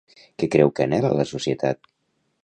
Què creu que anhela la societat?